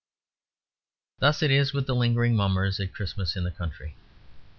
Thus it is with the lingering Mummers at Christmas in the country.